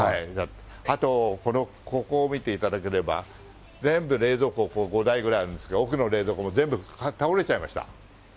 あとここを見ていただければ、全部、冷蔵庫、５台ぐらいあるんですけど、奥の冷蔵庫も全部倒れちゃいました。